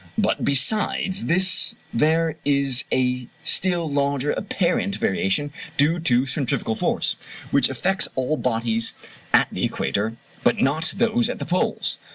But besides this there is a still larger apparent variation due to centrifugal force, which affects all bodies at the equator but not those at the poles.